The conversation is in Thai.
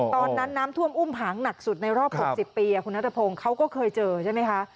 ตอนนั้นน้ำท่วมอุ้มหางหนักสุดในรอบ๖๐ปีคุณนัทพงศ์เขาก็เคยเจอใช่ไหมคะ